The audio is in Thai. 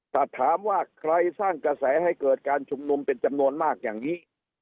ถ้าถามว่าใครสร้างกระแสให้เกิดการชุมนุมเป็นจำนวนมากอย่างนี้